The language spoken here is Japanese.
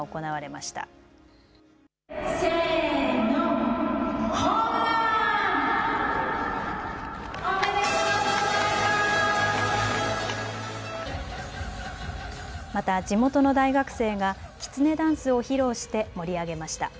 また地元の大学生がきつねダンスを披露して盛り上げました。